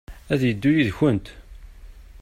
Ad yeddu yid-kent?